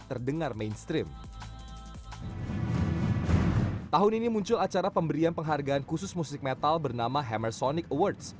tahun ini muncul acara pemberian penghargaan khusus musik metal bernama hammersonic awards